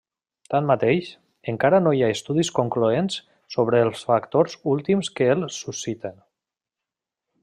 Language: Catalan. Tanmateix, encara no hi ha estudis concloents sobre els factors últims que el susciten.